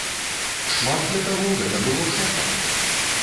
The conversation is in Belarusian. Шмат для каго гэта было шокам.